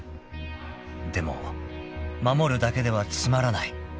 ［でも守るだけではつまらない］